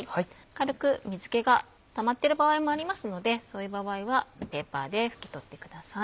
軽く水気がたまってる場合もありますのでそういう場合はペーパーで拭き取ってください。